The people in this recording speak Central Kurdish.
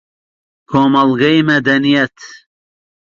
کۆمەڵگەی مەدەنیت